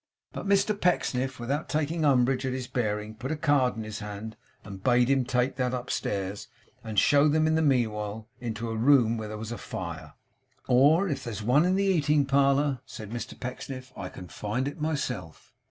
But Mr Pecksniff, without taking umbrage at his bearing put a card in his hand, and bade him take that upstairs, and show them in the meanwhile into a room where there was a fire. 'Or if there's one in the eating parlour,' said Mr Pecksniff, 'I can find it myself.